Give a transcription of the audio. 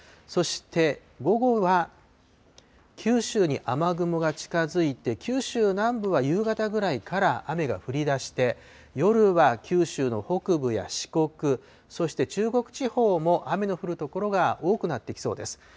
そして午後は、九州に雨雲が近づいて、九州南部は夕方ぐらいから雨が降りだして、夜は九州の北部や四国、そして中国地方も雨の降る所が多くなってきそうです。